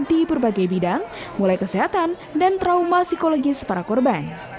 di berbagai bidang mulai kesehatan dan trauma psikologis para korban